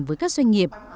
với các doanh nghiệp